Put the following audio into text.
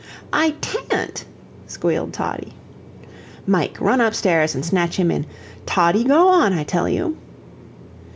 "I tan't," squealed Toddie. "Mike, run up stairs and snatch him in; Toddie, go on, I tell you!"